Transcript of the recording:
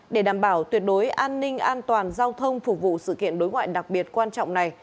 để đảm bảo tuyệt đối an ninh an toàn giao thông phục vụ sự kiện đối ngoại đặc biệt quan trọng này